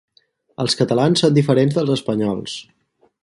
Els catalans són diferents dels espanyols.